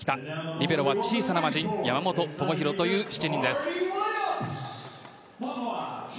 リベロは小さな魔神山本智大という７人です。